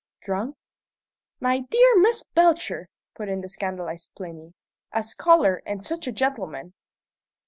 "Drunk?" "My dear Miss Belcher!" put in the scandalized Plinny. "A scholar, and such a gentleman!"